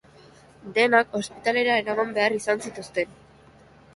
Denak ospitaletara eraman behar izan zituzten.